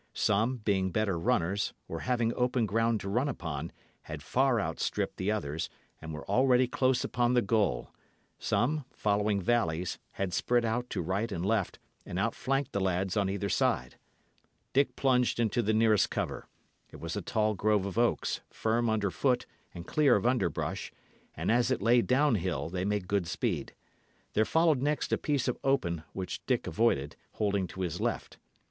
Some, being better runners, or having open ground to run upon, had far outstripped the others, and were already close upon the goal; some, following valleys, had spread out to right and left, and outflanked the lads on either side. Dick plunged into the nearest cover. It was a tall grove of oaks, firm under foot and clear of underbrush, and as it lay down hill, they made good speed. There followed next a piece of open, which Dick avoided, holding to his left.